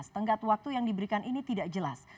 tenggat waktu yang diberikan ini tidak jelas